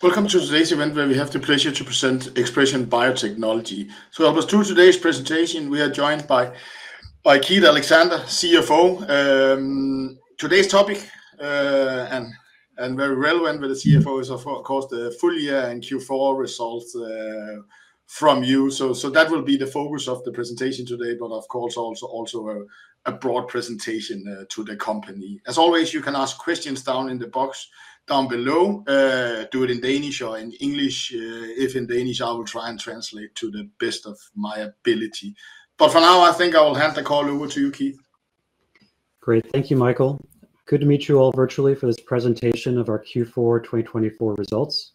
Welcome to today's event where we have the pleasure to present ExpreS2ion Biotechnologies. Through today's presentation we are joined by Keith Alexander, CFO. Today's topic and very relevant with the CFO is, of course, the full year and Q4 results from you. That will be the focus of the presentation today, but of course also a broad presentation to the company. As always, you can ask questions down in the box down below. Do it in Danish or in English. If in Danish, I will try and translate to the best of my ability. For now, I think I will hand the call over to you, Keith. Great. Thank you, Michael. Good to meet you all virtually for this presentation of our Q4 2024 results.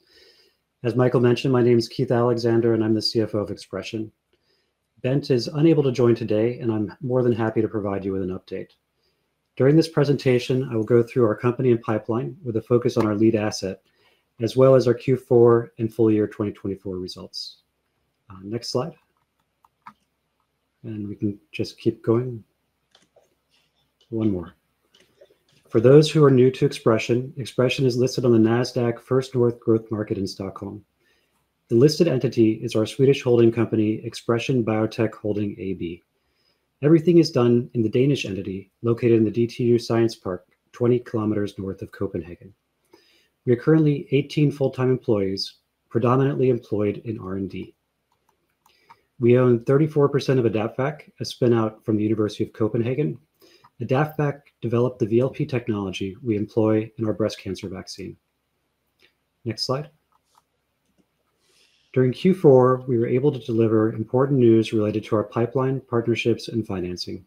As Michael mentioned, my name is Keith Alexander and I'm the CFO of ExpreS2ion. Bent is unable to join today, and I'm more than happy to provide you with an update. During this presentation, I will go through our company and pipeline with a focus on our lead asset, as well as our Q4 and full year 2024 results. Next slide. We can just keep going. One more. For those who are new to ExpreS2ion, ExpreS2ion is listed on the NASDAQ First North Growth Market in Stockholm. The listed entity is our Swedish holding company, ExpreS2ion Biotech Holding AB. Everything is done in the Danish entity located in the DTU Science Park, 20 kilometers north of Copenhagen. We are currently 18 full-time employees, predominantly employed in R&D. We own 34% of AdaptVac, a spinout from the University of Copenhagen. AdaptVac developed the VLP technology we employ in our breast cancer vaccine. Next slide. During Q4, we were able to deliver important news related to our pipeline, partnerships, and financing.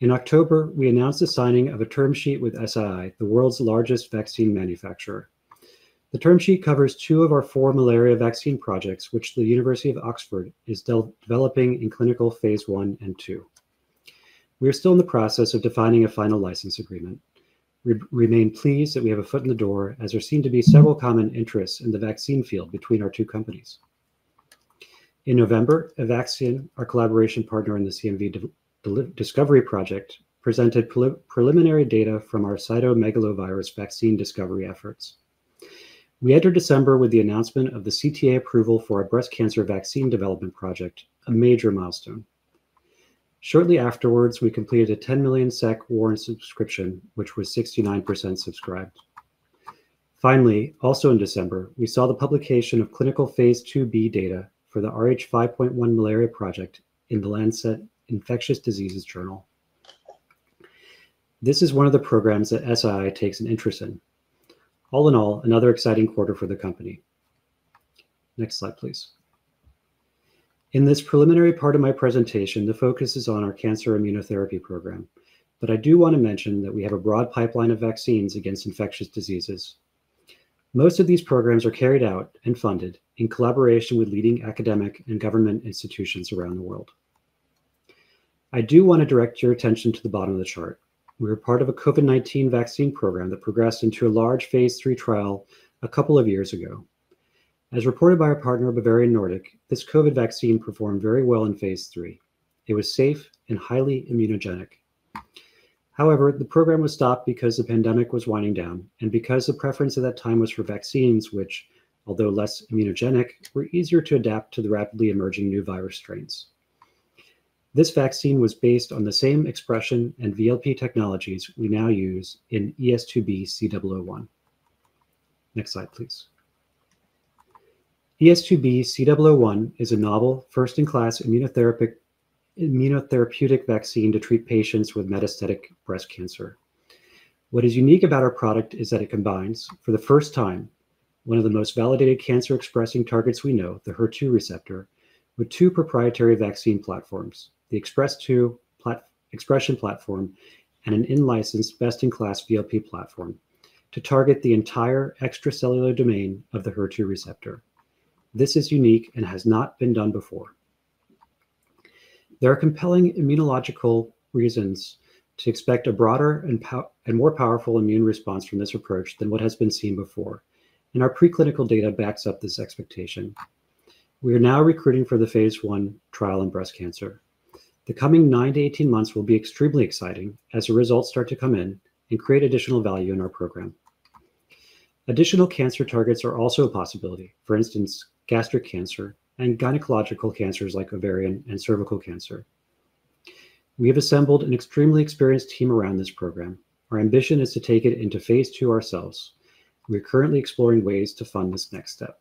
In October, we announced the signing of a term sheet with Serum Institute of India, the world's largest vaccine manufacturer. The term sheet covers two of our four malaria vaccine projects, which the University of Oxford is developing in clinical phase one and two. We are still in the process of defining a final license agreement. We remain pleased that we have a foot in the door, as there seem to be several common interests in the vaccine field between our two companies. In November, Evaxion, our collaboration partner in the CMV discovery project, presented preliminary data from our cytomegalovirus vaccine discovery efforts. We entered December with the announcement of the CTA approval for a breast cancer vaccine development project, a major milestone. Shortly afterwards, we completed a 10 million SEK warrant subscription, which was 69% subscribed. Finally, also in December, we saw the publication of clinical phase 2b data for the RH5.1 malaria project in The Lancet Infectious Diseases journal. This is one of the programs that SII takes an interest in. All in all, another exciting quarter for the company. Next slide, please. In this preliminary part of my presentation, the focus is on our cancer immunotherapy program, but I do want to mention that we have a broad pipeline of vaccines against infectious diseases. Most of these programs are carried out and funded in collaboration with leading academic and government institutions around the world. I do want to direct your attention to the bottom of the chart. We were part of a COVID-19 vaccine program that progressed into a large phase three trial a couple of years ago. As reported by our partner, Bavarian Nordic, this COVID vaccine performed very well in phase three. It was safe and highly immunogenic. However, the program was stopped because the pandemic was winding down and because the preference at that time was for vaccines which, although less immunogenic, were easier to adapt to the rapidly emerging new virus strains. This vaccine was based on the same ExpreS2ion and VLP technologies we now use in ES2B-C001. Next slide, please. ES2B-C001 is a novel, first-in-class immunotherapeutic vaccine to treat patients with metastatic breast cancer. What is unique about our product is that it combines, for the first time, one of the most validated cancer-expressing targets we know, the HER2 receptor, with two proprietary vaccine platforms, the ExpreS2ion platform and an in-licensed best-in-class VLP platform to target the entire extracellular domain of the HER2 receptor. This is unique and has not been done before. There are compelling immunological reasons to expect a broader and more powerful immune response from this approach than what has been seen before. Our preclinical data backs up this expectation. We are now recruiting for the phase one trial in breast cancer. The coming 9-18 months will be extremely exciting as the results start to come in and create additional value in our program. Additional cancer targets are also a possibility, for instance, gastric cancer and gynecological cancers like ovarian and cervical cancer. We have assembled an extremely experienced team around this program. Our ambition is to take it into phase two ourselves. We are currently exploring ways to fund this next step.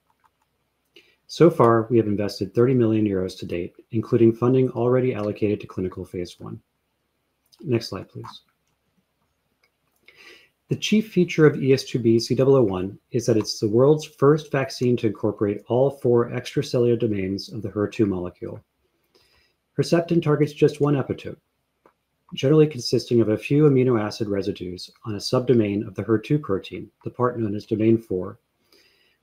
So far, we have invested 30 million euros to date, including funding already allocated to clinical phase one. Next slide, please. The chief feature of ES2B-C001 is that it's the world's first vaccine to incorporate all four extracellular domains of the HER2 molecule. Herceptin targets just one epitope, generally consisting of a few amino acid residues on a subdomain of the HER2 protein, the part known as domain four,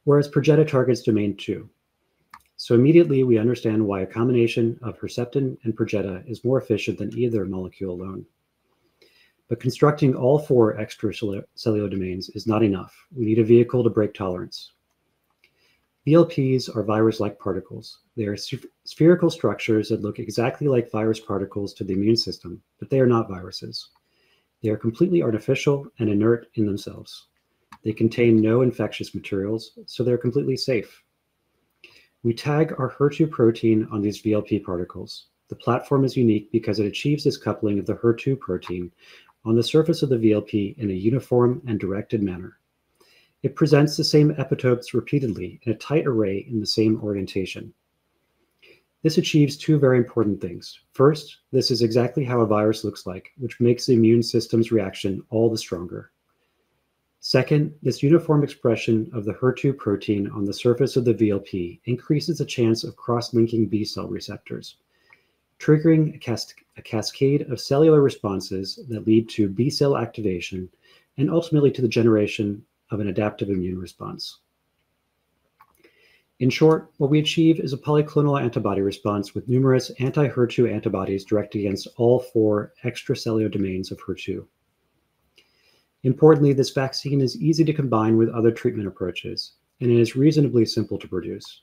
whereas Perjeta targets domain two. Immediately, we understand why a combination of Herceptin and Perjeta is more efficient than either molecule alone. Constructing all four extracellular domains is not enough. We need a vehicle to break tolerance. VLPs are virus-like particles. They are spherical structures that look exactly like virus particles to the immune system, but they are not viruses. They are completely artificial and inert in themselves. They contain no infectious materials, so they're completely safe. We tag our HER2 protein on these VLP particles. The platform is unique because it achieves this coupling of the HER2 protein on the surface of the VLP in a uniform and directed manner. It presents the same epitopes repeatedly in a tight array in the same orientation. This achieves two very important things. First, this is exactly how a virus looks like, which makes the immune system's reaction all the stronger. Second, this uniform expression of the HER2 protein on the surface of the VLP increases the chance of cross-linking B cell receptors, triggering a cascade of cellular responses that lead to B cell activation and ultimately to the generation of an adaptive immune response. In short, what we achieve is a polyclonal antibody response with numerous anti-HER2 antibodies directed against all four extracellular domains of HER2. Importantly, this vaccine is easy to combine with other treatment approaches, and it is reasonably simple to produce.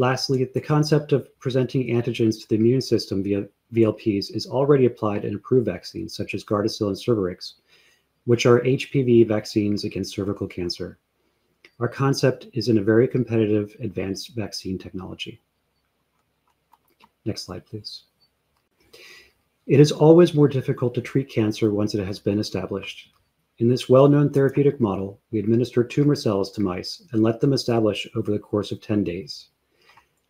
Lastly, the concept of presenting antigens to the immune system via VLPs is already applied in approved vaccines such as Gardasil and Cervarix, which are HPV vaccines against cervical cancer. Our concept is in a very competitive advanced vaccine technology. Next slide, please. It is always more difficult to treat cancer once it has been established. In this well-known therapeutic model, we administer tumor cells to mice and let them establish over the course of 10 days.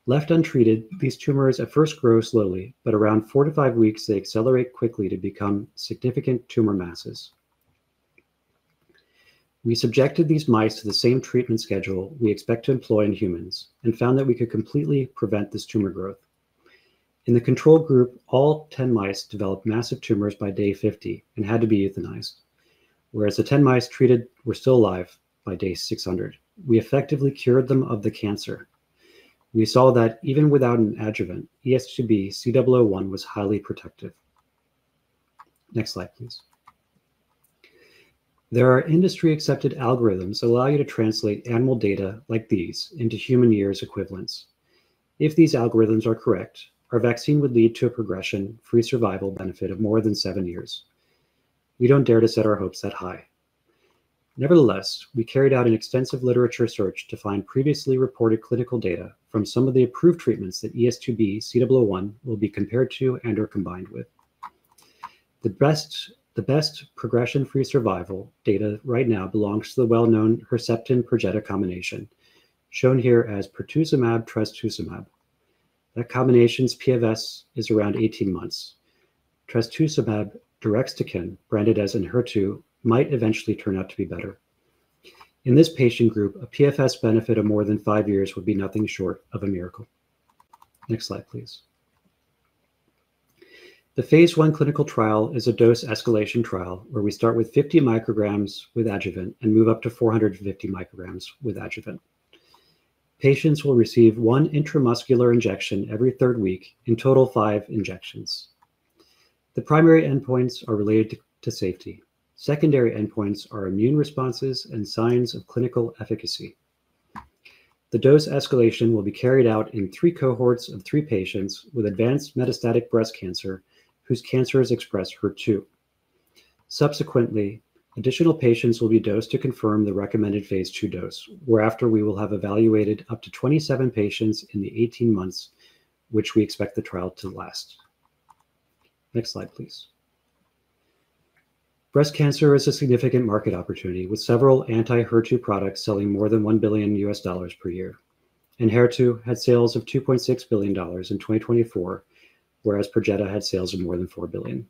Left untreated, these tumors at first grow slowly, but around four to five weeks, they accelerate quickly to become significant tumor masses. We subjected these mice to the same treatment schedule we expect to employ in humans and found that we could completely prevent this tumor growth. In the control group, all 10 mice developed massive tumors by day 50 and had to be euthanized, whereas the 10 mice treated were still alive by day 600. We effectively cured them of the cancer. We saw that even without an adjuvant, ES2B-C001 was highly protective. Next slide, please. There are industry-accepted algorithms that allow you to translate animal data like these into human years equivalents. If these algorithms are correct, our vaccine would lead to a progression-free survival benefit of more than seven years. We don't dare to set our hopes that high. Nevertheless, we carried out an extensive literature search to find previously reported clinical data from some of the approved treatments that ES2B-C001 will be compared to and/or combined with. The best progression-free survival data right now belongs to the well-known Herceptin-Perjeta combination, shown here as Pertuzumab-Trastuzumab. That combination's PFS is around 18 months. Trastuzumab-Deruxtecan, branded as Enhertu, might eventually turn out to be better. In this patient group, a PFS benefit of more than five years would be nothing short of a miracle. Next slide, please. The phase one clinical trial is a dose escalation trial where we start with 50 micrograms with adjuvant and move up to 450 micrograms with adjuvant. Patients will receive one intramuscular injection every third week, in total five injections. The primary endpoints are related to safety. Secondary endpoints are immune responses and signs of clinical efficacy. The dose escalation will be carried out in three cohorts of three patients with advanced metastatic breast cancer whose cancer has expressed HER2. Subsequently, additional patients will be dosed to confirm the recommended phase two dose, whereafter we will have evaluated up to 27 patients in the 18 months, which we expect the trial to last. Next slide, please. Breast cancer is a significant market opportunity with several anti-HER2 products selling more than $1 billion per year. Enhertu had sales of $2.6 billion in 2024, whereas Perjeta had sales of more than $4 billion.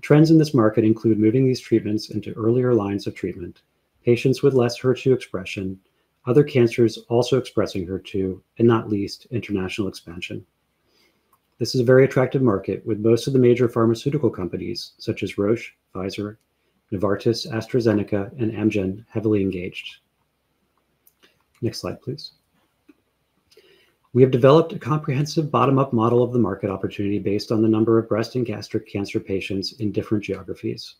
Trends in this market include moving these treatments into earlier lines of treatment, patients with less HER2 expression, other cancers also expressing HER2, and not least international expansion. This is a very attractive market with most of the major pharmaceutical companies such as Roche, Pfizer, Novartis, AstraZeneca, and Amgen heavily engaged. Next slide, please. We have developed a comprehensive bottom-up model of the market opportunity based on the number of breast and gastric cancer patients in different geographies.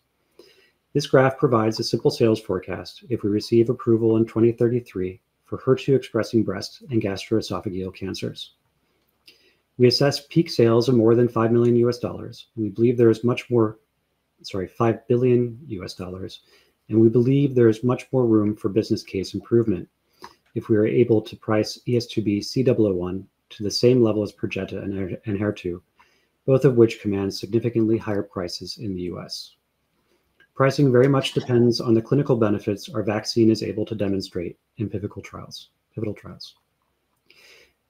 This graph provides a simple sales forecast if we receive approval in 2033 for HER2-expressing breast and gastroesophageal cancers. We assess peak sales of more than $5 million US dollars. We believe there is much more--sorry, $5 billion US dollars. We believe there is much more room for business case improvement if we are able to price ES2B-C001 to the same level as Perjeta and Enhertu, both of which command significantly higher prices in the U.S. Pricing very much depends on the clinical benefits our vaccine is able to demonstrate in pivotal trials.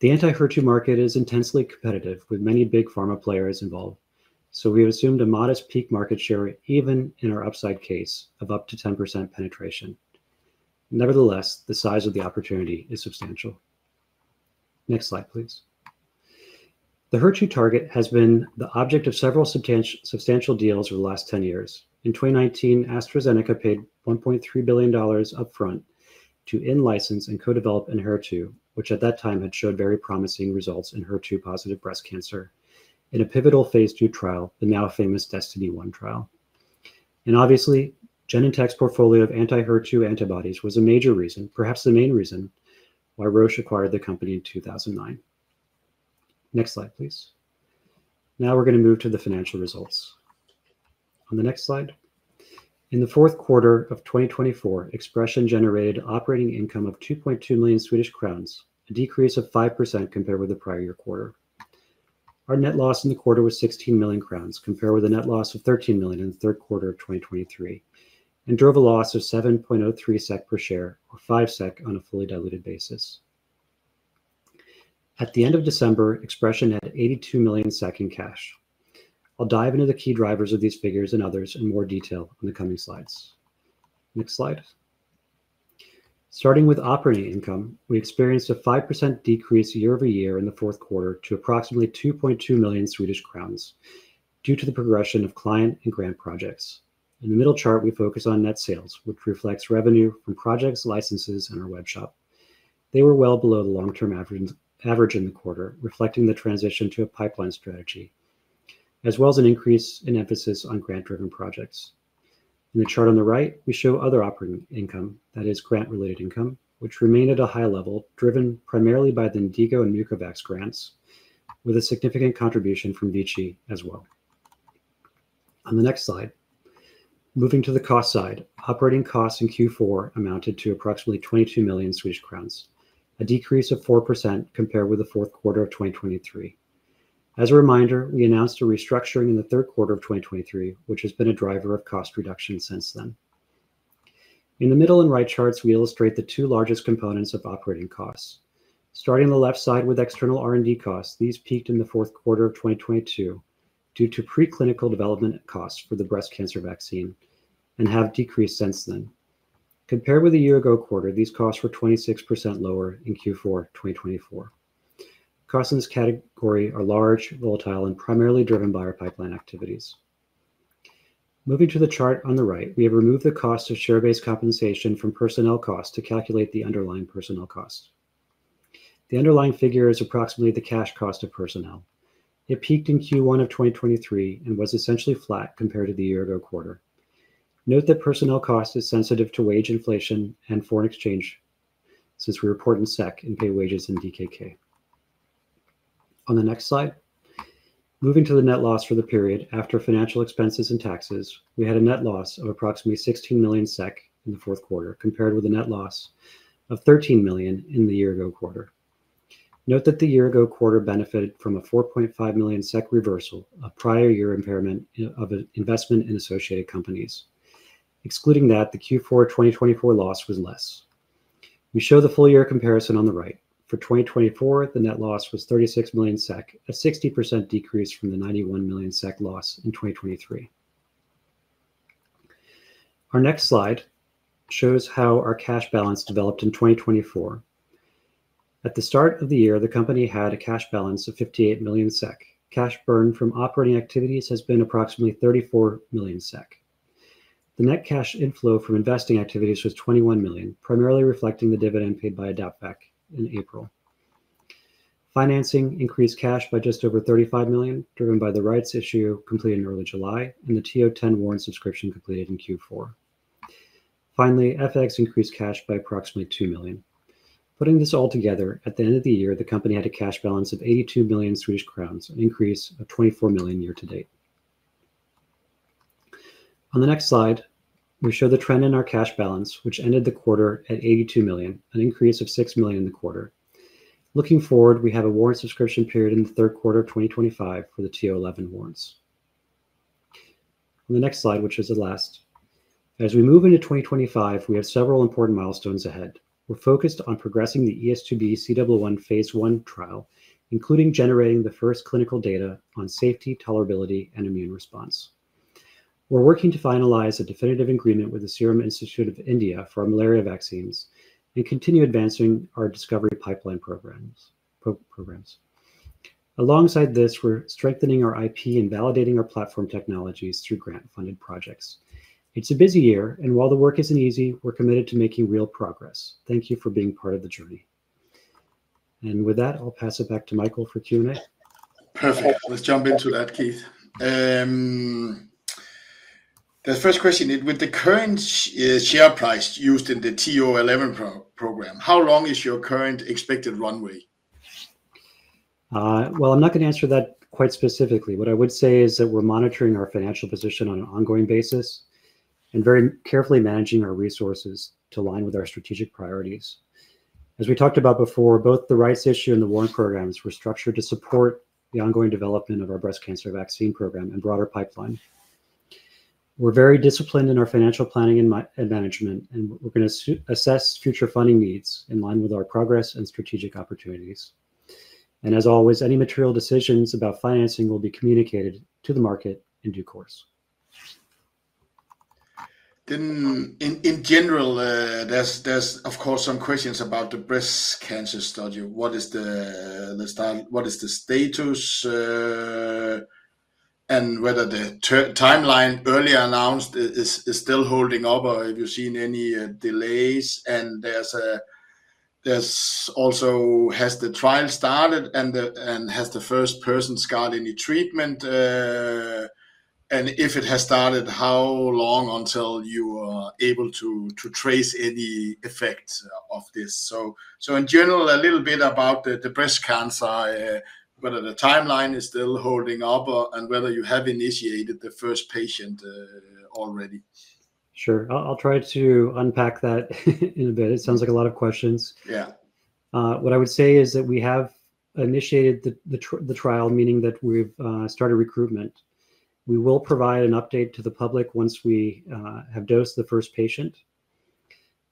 The anti-HER2 market is intensely competitive with many big pharma players involved, so we have assumed a modest peak market share even in our upside case of up to 10% penetration. Nevertheless, the size of the opportunity is substantial. Next slide, please. The HER2 target has been the object of several substantial deals over the last 10 years. In 2019, AstraZeneca paid $1.3 billion upfront to in-license and co-develop Enhertu, which at that time had showed very promising results in HER2-positive breast cancer in a pivotal phase two trial, the now famous Destiny One trial. Obviously, Genentech's portfolio of anti-HER2 antibodies was a major reason, perhaps the main reason why Roche acquired the company in 2009. Next slide, please. Now we're going to move to the financial results. On the next slide, in the fourth quarter of 2024, ExpreS2ion generated an operating income of 2.2 million Swedish crowns, a decrease of 5% compared with the prior year quarter. Our net loss in the quarter was 16 million crowns, compared with a net loss of 13 million in the third quarter of 2023, and drove a loss of 7.03 SEK per share or 5 SEK on a fully diluted basis. At the end of December, ExpreS2ion had 82 million SEK in cash. I'll dive into the key drivers of these figures and others in more detail in the coming slides. Next slide. Starting with operating income, we experienced a 5% decrease year over year in the fourth quarter to approximately 2.2 million Swedish crowns due to the progression of client and grant projects. In the middle chart, we focus on net sales, which reflects revenue from projects, licenses, and our web shop. They were well below the long-term average in the quarter, reflecting the transition to a pipeline strategy, as well as an increase in emphasis on grant-driven projects. In the chart on the right, we show other operating income, that is, grant-related income, which remained at a high level, driven primarily by the INDIGO and Mucovax grants, with a significant contribution from VICI as well. On the next slide, moving to the cost side, operating costs in Q4 amounted to approximately 22 million Swedish crowns, a decrease of 4% compared with the fourth quarter of 2023. As a reminder, we announced a restructuring in the third quarter of 2023, which has been a driver of cost reduction since then. In the middle and right charts, we illustrate the two largest components of operating costs. Starting on the left side with external R&D costs, these peaked in the fourth quarter of 2022 due to preclinical development costs for the breast cancer vaccine and have decreased since then. Compared with the year-ago quarter, these costs were 26% lower in Q4 2024. Costs in this category are large, volatile, and primarily driven by our pipeline activities. Moving to the chart on the right, we have removed the cost of share-based compensation from personnel costs to calculate the underlying personnel cost. The underlying figure is approximately the cash cost of personnel. It peaked in Q1 of 2023 and was essentially flat compared to the year-ago quarter. Note that personnel cost is sensitive to wage inflation and foreign exchange since we report in SEK and pay wages in DKK. On the next slide, moving to the net loss for the period after financial expenses and taxes, we had a net loss of approximately 16 million SEK in the fourth quarter compared with a net loss of 13 million in the year-ago quarter. Note that the year-ago quarter benefited from a 4.5 million SEK reversal of prior year impairment of investment in associated companies. Excluding that, the Q4 2024 loss was less. We show the full year comparison on the right. For 2024, the net loss was 36 million SEK, a 60% decrease from the 91 million SEK loss in 2023. Our next slide shows how our cash balance developed in 2024. At the start of the year, the company had a cash balance of 58 million SEK. Cash burn from operating activities has been approximately 34 million SEK. The net cash inflow from investing activities was 21 million, primarily reflecting the dividend paid by AdaptVac in April. Financing increased cash by just over 35 million, driven by the rights issue completed in early July and the TO10 warrant subscription completed in Q4. Finally, FX increased cash by approximately 2 million. Putting this all together, at the end of the year, the company had a cash balance of 82 million Swedish crowns, an increase of 24 million year to date. On the next slide, we show the trend in our cash balance, which ended the quarter at 82 million, an increase of 6 million in the quarter. Looking forward, we have a warrant subscription period in the third quarter of 2025 for the TO11 warrants. On the next slide, which is the last, as we move into 2025, we have several important milestones ahead. We're focused on progressing the ES2B-C001 phase one trial, including generating the first clinical data on safety, tolerability, and immune response. We're working to finalize a definitive agreement with the Serum Institute of India for our malaria vaccines and continue advancing our discovery pipeline programs. Alongside this, we're strengthening our IP and validating our platform technologies through grant-funded projects. It's a busy year, and while the work isn't easy, we're committed to making real progress. Thank you for being part of the journey. With that, I'll pass it back to Michael for Q&A. Perfect. Let's jump into that, Keith. The first question is, with the current share price used in the TO11 program, how long is your current expected runway? I'm not going to answer that quite specifically. What I would say is that we're monitoring our financial position on an ongoing basis and very carefully managing our resources to align with our strategic priorities. As we talked about before, both the rights issue and the warrant programs were structured to support the ongoing development of our breast cancer vaccine program and broader pipeline. We're very disciplined in our financial planning and management, and we're going to assess future funding needs in line with our progress and strategic opportunities. As always, any material decisions about financing will be communicated to the market in due course. In general, there's, of course, some questions about the breast cancer study. What is the status and whether the timeline earlier announced is still holding up, or have you seen any delays? Also, has the trial started and has the first person got any treatment? If it has started, how long until you are able to trace any effects of this? In general, a little bit about the breast cancer, whether the timeline is still holding up and whether you have initiated the first patient already. Sure. I'll try to unpack that in a bit. It sounds like a lot of questions. What I would say is that we have initiated the trial, meaning that we've started recruitment. We will provide an update to the public once we have dosed the first patient.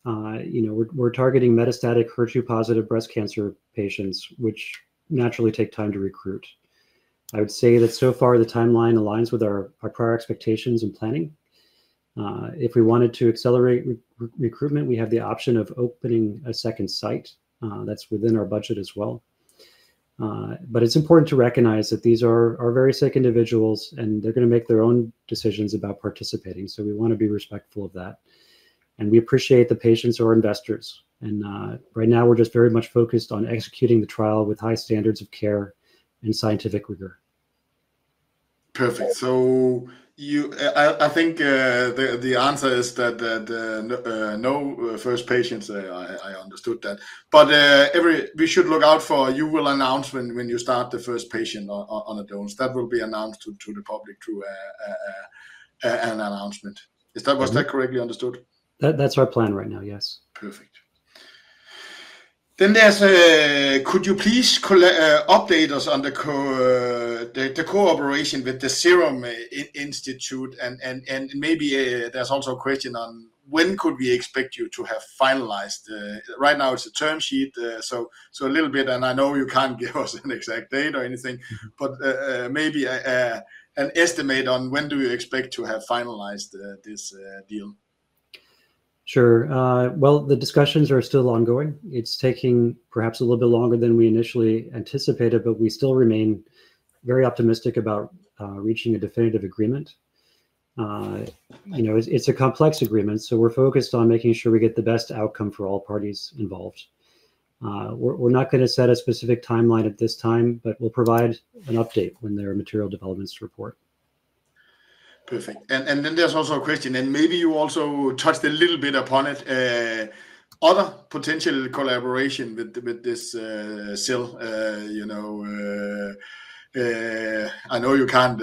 We're targeting metastatic HER2-positive breast cancer patients, which naturally take time to recruit. I would say that so far the timeline aligns with our prior expectations and planning. If we wanted to accelerate recruitment, we have the option of opening a second site that's within our budget as well. It's important to recognize that these are very sick individuals, and they're going to make their own decisions about participating. We want to be respectful of that. We appreciate the patients who are investors. Right now, we're just very much focused on executing the trial with high standards of care and scientific rigor. Perfect. I think the answer is that no first patients. I understood that. We should look out for a EUR announcement when you start the first patient on a dose. That will be announced to the public through an announcement. Was that correctly understood? That's our plan right now, yes. Perfect. Could you please update us on the cooperation with the Serum Institute? Maybe there's also a question on when could we expect you to have finalized? Right now, it's a term sheet, so a little bit. I know you can't give us an exact date or anything, but maybe an estimate on when do you expect to have finalized this deal? Sure. The discussions are still ongoing. It's taking perhaps a little bit longer than we initially anticipated, but we still remain very optimistic about reaching a definitive agreement. It's a complex agreement, so we're focused on making sure we get the best outcome for all parties involved. We're not going to set a specific timeline at this time, but we'll provide an update when there are material developments to report. Perfect. There's also a question, and maybe you also touched a little bit upon it, other potential collaboration with this cell. I know you can't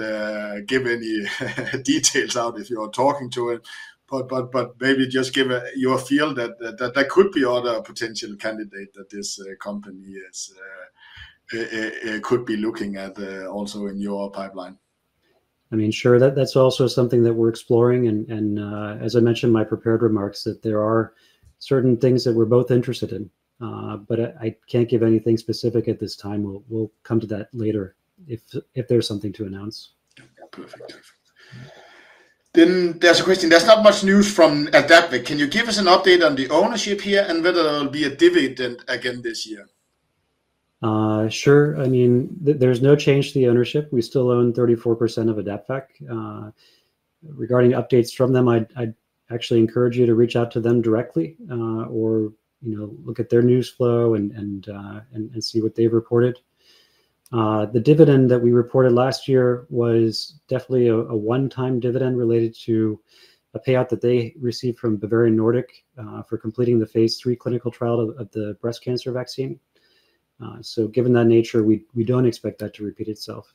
give any details out if you're talking to it, but maybe just give your feel that there could be other potential candidates that this company could be looking at also in your pipeline. I mean, sure. That's also something that we're exploring. As I mentioned in my prepared remarks, there are certain things that we're both interested in, but I can't give anything specific at this time. We'll come to that later if there's something to announce. Perfect. There's a question. There's not much news from AdaptVac. Can you give us an update on the ownership here and whether there will be a dividend again this year? Sure. I mean, there's no change to the ownership. We still own 34% of AdaptVac. Regarding updates from them, I'd actually encourage you to reach out to them directly or look at their news flow and see what they've reported. The dividend that we reported last year was definitely a one-time dividend related to a payout that they received from Bavarian Nordic for completing the phase three clinical trial of the breast cancer vaccine. Given that nature, we do not expect that to repeat itself.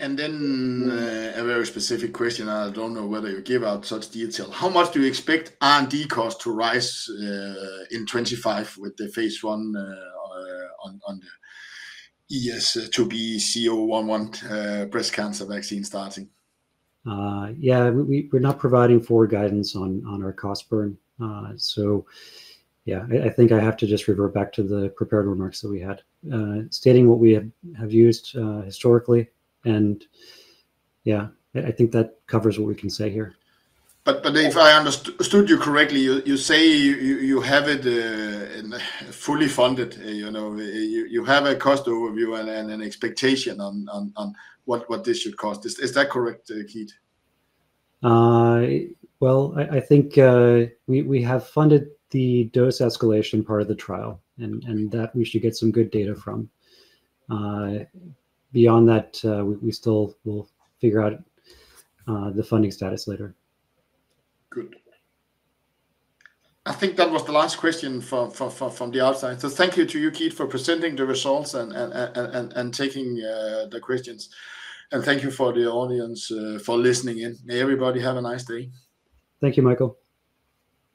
A very specific question. I do not know whether you give out such detail. How much do you expect R&D costs to rise in 2025 with the phase one on the ES2B-C001 breast cancer vaccine starting? Yeah. We are not providing forward guidance on our cost burn. I think I have to just revert back to the prepared remarks that we had, stating what we have used historically. I think that covers what we can say here. If I understood you correctly, you say you have it fully funded. You have a cost overview and an expectation on what this should cost. Is that correct, Keith? I think we have funded the dose escalation part of the trial and that we should get some good data from that. Beyond that, we still will figure out the funding status later. Good. I think that was the last question from the outside. Thank you to you, Keith, for presenting the results and taking the questions. Thank you for the audience for listening in. May everybody have a nice day. Thank you, Michael.